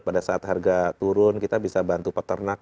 pada saat harga turun kita bisa bantu peternak